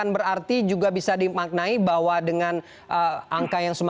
berarti juga bisa dimaknai bahwa dengan angka yang